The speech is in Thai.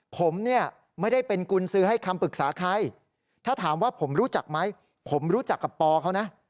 ผมเนี่ยไม่ได้เป็นกุญสือให้คำปรึกษาใครถ้าถามว่าผมรู้จักไหมผมรู้จักกับปอเขานะ